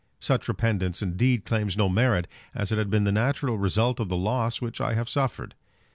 Such repentance indeed claims no merit, as it has been the natural result of the loss which I have suffered.